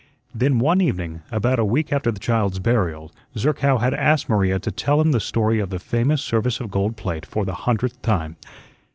Then one evening, about a week after the child's burial, Zerkow had asked Maria to tell him the story of the famous service of gold plate for the hundredth time.